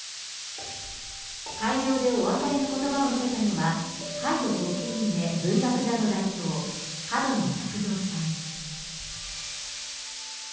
会場でお別れのことばを述べたのは、会の発起人で、文学座の代表、角野卓造さん。